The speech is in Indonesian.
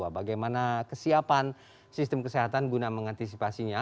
bagaimana kesiapan sistem kesehatan guna mengantisipasinya